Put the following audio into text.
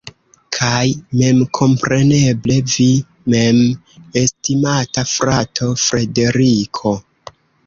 Kaj memkompreneble vi mem, estimata frato Frederiko.